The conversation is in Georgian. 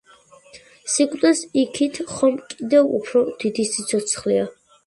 სიკვდილს იქით ხომ კიდევ უფრო დიდი სიცოცხლეა